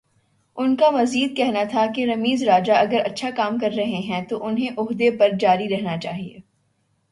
ان کا مزید کہنا تھا کہ رمیز راجہ اگر اچھا کام کررہے ہیں تو انہیں عہدے پر جاری رہنا چاہیے۔